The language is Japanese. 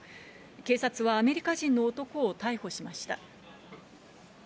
警察はアメリカ人の男を逮捕しました。